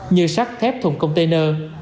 như sắt thép thùng container